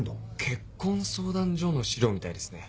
結婚相談所の資料みたいですね。